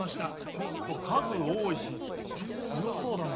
ちょっと数多いしちょっと強そうだな。